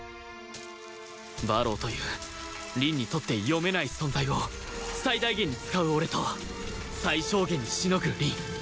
馬狼という凛にとって読めない存在を最大限に使う俺と最小限にしのぐ凛